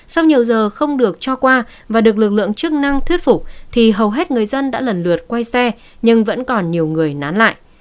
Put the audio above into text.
sau nhiều giờ không được cho qua và được lực lượng chức năng thuyết phục thì hầu hết người dân đã lần lượt quay xe nhưng vẫn còn nhiều người nán lại